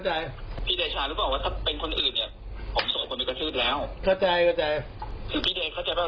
ให้หยุดทุกคนเพราะไม่งั้นผมจัดจานหมดทุกคนจริง